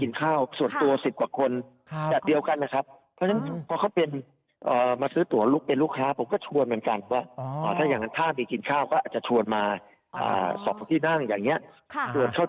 จะไปจัดให้กับผู้เช้าเข้ามาดูกับหน้าที่เขาแล้วอ่ะครับ